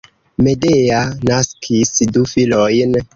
Medea naskis du filojn.